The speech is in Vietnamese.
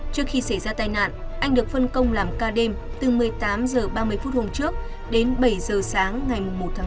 trước khi xảy ra tai nạn anh được phân công làm ca đêm từ một mươi tám h ba mươi phút hôm trước đến bảy h sáng ngày một năm